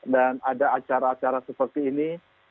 dan ada acara acara seperti ini